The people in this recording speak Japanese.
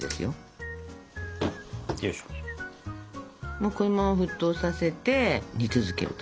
もうこのまま沸騰させて煮続けると。